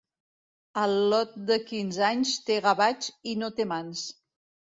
Al·lot de quinze anys té gavatx i no té mans.